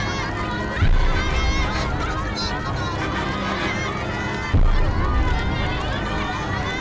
tidak anak saya tinggal tidak bisa keluar